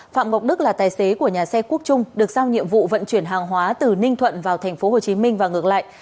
phạm ngọc đức là tài xế của nhà xe quốc chung được giao nhiệm vụ vận chuyển hàng hóa từ ninh thuận vào thành phố hồ chí minh và ngược lại